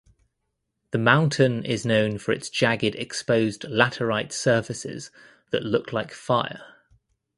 The mountain is known for its jagged exposed laterite surfaces that look like fire.